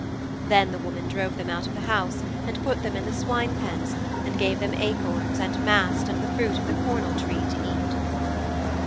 Then the woman drove them out of the house and put them in the swine pens and gave them acorns and mast and the fruit of the cornel tree to eat.'